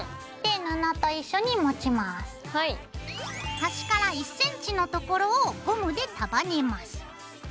端から１ｃｍのところをゴムで束ねます。